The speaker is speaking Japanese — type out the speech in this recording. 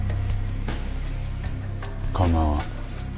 構わん。